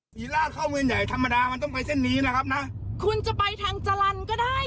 มึงเป็นอะไรมึงแค่จะไปแค่ต่าง๔๙เดี๋ยว